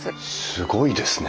すごいですね。